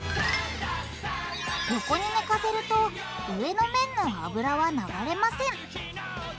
ヨコにねかせると上の面の油は流れません